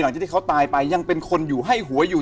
หลังจากที่เขาตายไปยังเป็นคนให้หัวอยู่